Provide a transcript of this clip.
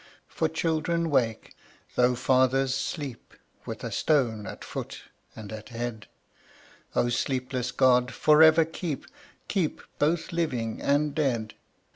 For children wake, though fathers sleep With a stone at foot and at head: O sleepless God, forever keep, Keep both living and dead!